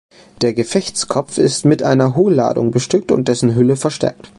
Der Gefechtskopf ist mit einer Hohlladung bestückt und dessen Hülle verstärkt.